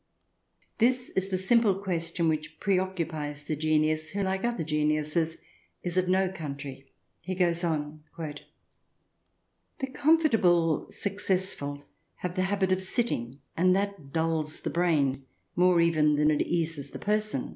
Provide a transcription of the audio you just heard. This is the simple question which preoccupies the genius who, like other geniuses, is of no country. He goes on :" The comfortable successful have the habit of sitting, and that dulls the brain more even than it eases the person.